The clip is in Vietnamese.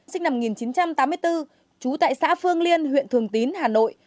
sinh năm một nghìn chín trăm tám mươi bốn trú tại xã phương liên huyện thường tín hà nội